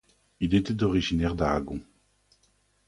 Il était originaire d'Aragon.